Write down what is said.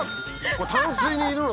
淡水にいるの？